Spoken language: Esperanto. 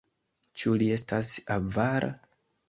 Ĉu li estas avara?